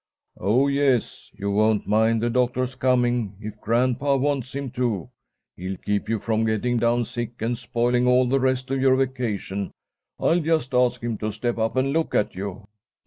"Oh, yes, you won't mind the doctor's coming if grandpa wants him to. He'll keep you from getting down sick, and spoiling all the rest of your vacation. I'll just ask him to step up and look at you."